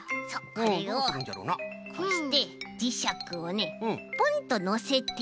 これをこうしてじしゃくをねポンとのせて。